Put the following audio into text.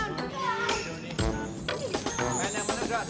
main yang bener don